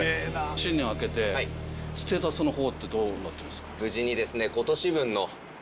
新年明けてステータスの方ってどうなってますか？